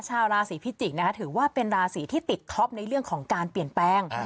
ชาวราศีพิจิกษ์ถือว่าเป็นราศีที่ติดท็อปในเรื่องของการเปลี่ยนแปลง